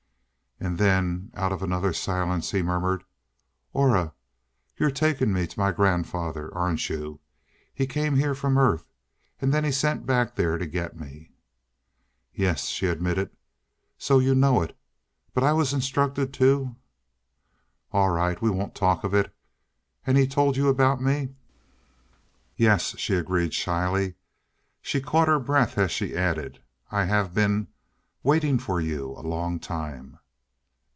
And then, out of another silence he murmured, "Aura you're taking me to my grandfather, aren't you? He came here from Earth and then he sent back there to get me?" "Yes," she admitted. "So you know it? But I was instructed to " "All right. We won't talk of it. And he's told you about me?" "Yes," she agreed shyly. She caught her breath as she added, "I have been waiting for you a long time."